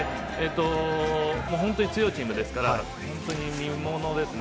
本当に強いチームですから、本当に見物ですね。